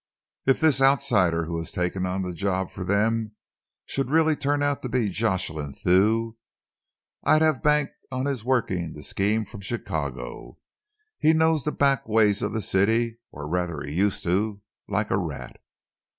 If this outsider who has taken on the job for them should really turn out to be Jocelyn Thew, I'd have banked on his working the scheme from Chicago. He knows the back ways of the city, or rather he used to, like a rat.